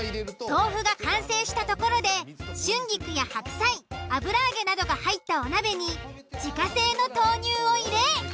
豆腐が完成したところで春菊や白菜・油揚げなどが入ったお鍋に自家製の豆乳を入れ。